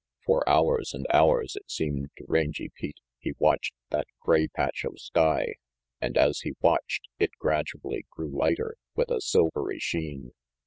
For hours and hours, it seemed to Rangy Pete, he watched that gray patch of sky, and as he watched, it gradually grew lighter, with a silvery sheen.